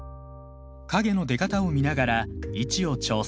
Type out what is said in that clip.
影の出方を見ながら位置を調整。